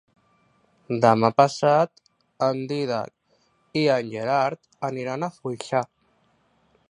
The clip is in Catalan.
Demà passat en Dídac i en Gerard aniran a Foixà.